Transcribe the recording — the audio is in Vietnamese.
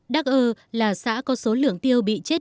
đắc ơ là xã có số lượng tiêu bị chết